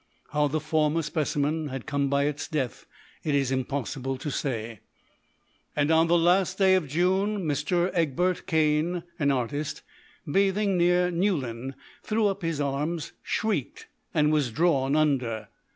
How the former specimen had come by its death it is impossible to say. And on the last day of June, Mr. Egbert Caine, an artist, bathing near Newlyn, threw up his arms, shrieked, and was drawn under.